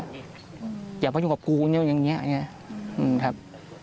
อยากว่าอยู่กับครูอย่างนี้อย่างนี้อย่างนี้ครับ